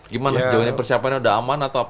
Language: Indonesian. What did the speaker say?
gimana sejauh ini persiapannya udah aman atau apa